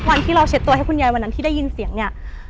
วันที่เราเช็ดตัวให้คุณยายวันนั้นที่ได้ยินเสียงเนี่ย